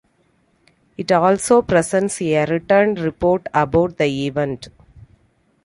It also presents a written report about the event.